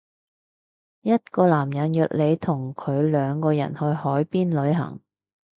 一個男人約你同佢兩個人去海邊旅行